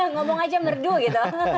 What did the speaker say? ngomong aja merdu gitu